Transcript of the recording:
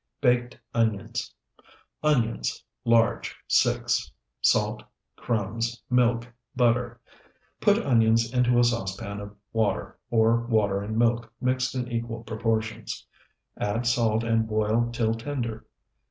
BAKED ONIONS Onions, large, 6. Salt. Crumbs. Milk. Butter. Put onions into a saucepan of water, or water and milk mixed in equal proportions; add salt and boil till tender.